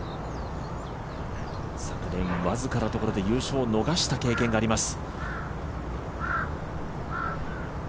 昨年、僅かなところで優勝を逃した経験があります。